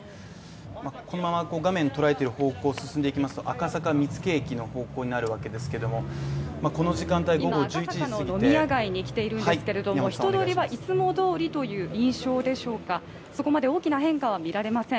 このまま画面が捉えている方向を見ますと赤坂見附駅の方向になるわけですけども今、赤坂の飲み屋街に来ているんですが人通りはいつもどおりという印象でしょうか、そこまで大きな変化は見られません。